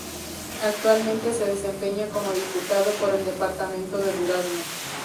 Actualmente se desempeña como Diputado por el Departamento de Durazno.